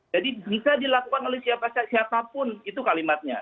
jadi bisa dilakukan oleh siapa siapapun itu kalimatnya